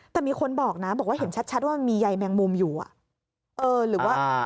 แต่มีคนบอกนะบอกเห็นชัดว่ามีไยแมงมุมอยู่